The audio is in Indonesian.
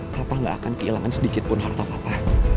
papa gak akan kehilangan sedikit pun harta papa